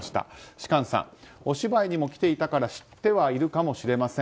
芝翫さんお芝居にも来ていたから知ってはいるかもしれません。